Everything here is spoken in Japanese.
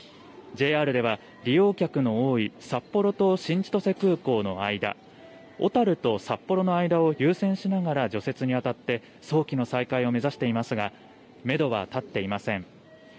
ＪＲでは利用客の多い札幌と新千歳空港の間、小樽と札幌の間を優先しながら除雪に当たって、早期の再開を目指していますが、メドは立っていません。